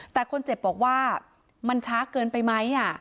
แต่คนเจ็บบอกว่ามันช้าเกินไปไหม